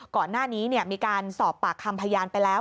ก่อนหน้านี้มีการสอบปากคำพยานไปแล้ว